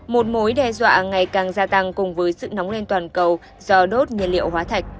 một mối đe dọa ngày càng gia tăng cùng với sự nóng lên toàn cầu do đốt nhiên liệu hóa thạch